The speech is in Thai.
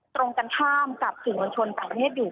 ตรงกันข้ามกับสื่อมวลชนต่างประเทศอยู่